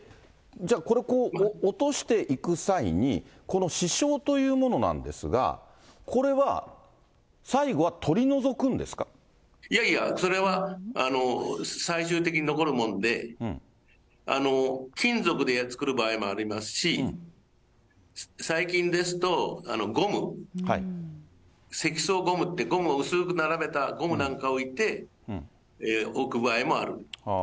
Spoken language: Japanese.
じゃあ、これ落としていく際に、この支承というものなんですが、いやいや、それは最終的に残るもので、金属で作る場合もありますし、最近ですと、ゴム、積層ゴムって、ゴムを薄く並べたゴムなんかを置く場合もある。